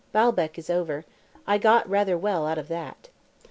Baalbec is over; I got "rather well" out of that.